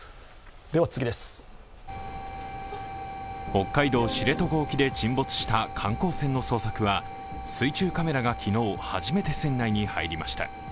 北海道知床沖で沈没した観光船の捜索は水中カメラが昨日、初めて船内に入りました。